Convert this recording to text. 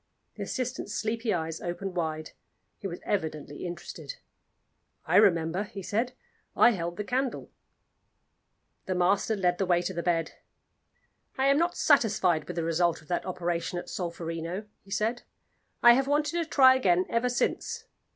The assistant's sleepy eyes opened wide; he was evidently interested. "I remember," he said. "I held the candle." The master led the way to the bed. "I am not satisfied with the result of that operation at Solferino," he said; "I have wanted to try again ever since.